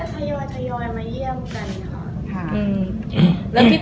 ก็ทยอยมาเยี่ยมกันนะคะ